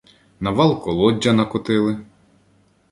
На вал колоддя накотили